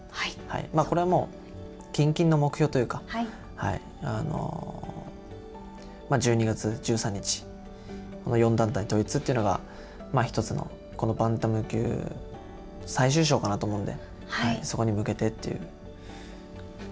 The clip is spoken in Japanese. これはもう、近々の目標というか、１２月１３日、この４団体統一というのが、一つのこのバンタム級最終章かなと思うんで、そこに向けてという。